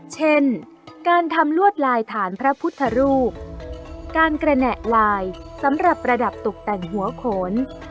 เช่นการทำลวดลายฐานพระพุทธรูปการกระแหน่ลายสำหรับประดับตกแต่งหัวโขน